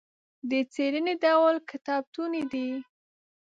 د څېړنې ډول کتابتوني دی.